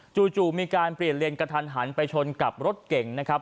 จู่มีการเปลี่ยนเลนกระทันหันไปชนกับรถเก่งนะครับ